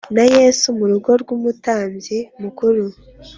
na Yesu mu rugo rw umutambyi mukuru